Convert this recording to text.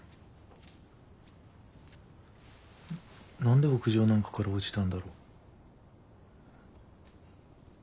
何で屋上なんかから落ちたんだろ？